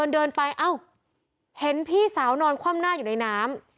เดินไปเอ้าเห็นพี่สาวนอนคว่ำหน้าอยู่ในน้ำ